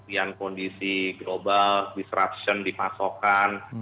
kemudian kondisi global disruption di pasokan